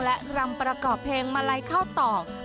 และรำประกอบเพลงมาลัยข้าวตอก